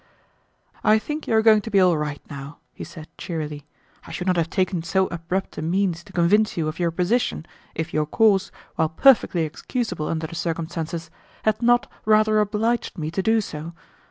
"I think you are going to be all right now," he said cheerily. "I should not have taken so abrupt a means to convince you of your position if your course, while perfectly excusable under the circumstances, had not rather obliged me to do so.